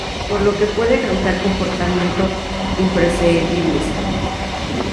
Por lo que puede causar comportamiento impredecibles.